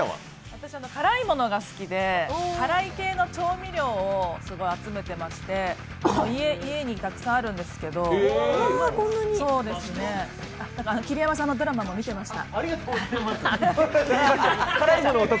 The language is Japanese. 私は辛いものが好きで辛い系の調味料をすごい集めてまして、家にたくさんあるんですけどあっ、だから桐山さんのドラマも見てました。